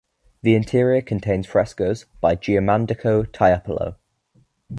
The interior contains frescoes by Giandomenico Tiepolo.